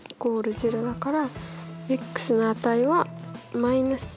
０だからの値は−１と３。